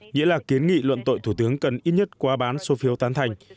nghĩa là kiến nghị luận tội thủ tướng cần ít nhất qua bán số phiếu tán thành